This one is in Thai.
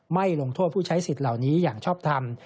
ไม่ลงโทษผู้ใช้สิทธิ์เหล่านี้อย่างชอบทำ